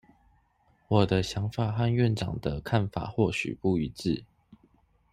我的想法和院長的看法或許不一致